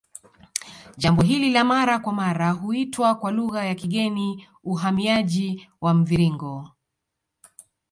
Jambo hili la mara kwa mara huitwa kwa lugha ya kigeni uhamiaji wa mviringo